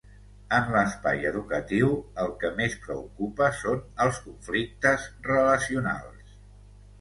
En l'espai educatiu el que més preocupa són els conflictes relacionals.